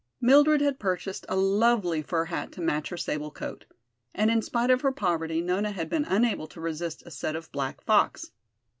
Mildred had purchased a lovely fur hat to match her sable coat. And in spite of her poverty Nona had been unable to resist a set of black fox.